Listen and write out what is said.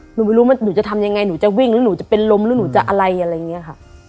หนูไม่รู้ว่าหนูจะทำยังไงหนูจะวิ่งหรือหนูจะเป็นลมหรือหนูจะอะไรอะไรอย่างนี้ค่ะ